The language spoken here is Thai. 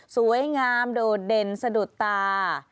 สวยงามโดดเด่นสะดุดตา